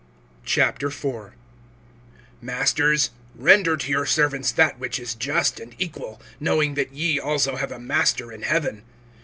(1)Masters, render to your servants that which is just and equal; knowing that ye also have a Master in heaven.